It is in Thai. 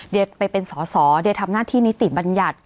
เดี๋ยวไปเป็นสอสอเดียทำหน้าที่นิติบัญญัติ